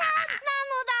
なのだ。